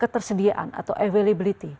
ketersediaan atau availability